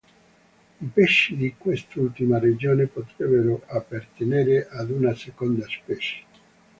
I pesci di quest'ultima regione potrebbero appartenere ad una seconda specie.